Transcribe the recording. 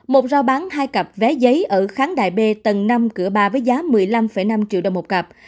một rau bán hai cặp vé giấy ở kháng đại b tầng năm cửa ba với giá một mươi năm năm triệu đồng một cặp